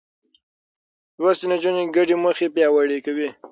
لوستې نجونې ګډې موخې پياوړې کوي.